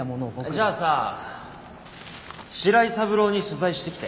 じゃあさ白井三郎に取材してきて。